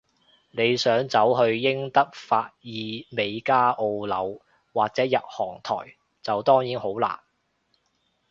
你想走去英德法意美加澳紐，或者日韓台，就當然好難